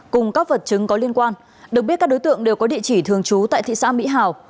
cùng các vật chứng có liên quan được biết các đối tượng đều có địa chỉ thường trú tại thị xã mỹ hảo